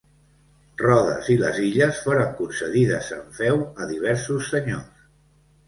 Rodes i les illes foren concedides en feu a diversos senyors.